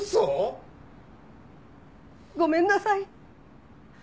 ごめんなさい。